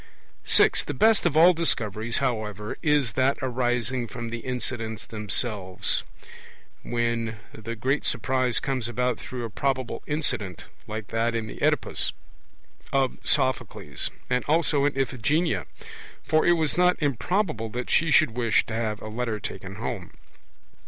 (6) The best of all Discoveries, however, is that arising from the incidents themselves, when the great surprise comes about through a probable incident, like that in the Oedipus of Sophocles; and also in Iphigenia; for it was not improbable that she should wish to have a letter taken home.